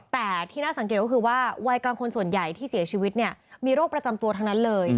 แต่ที่น่าสังเกตก็คือว่าวัยกลางคนส่วนใหญ่ที่เสียชีวิตเนี่ยมีโรคประจำตัวทั้งนั้นเลย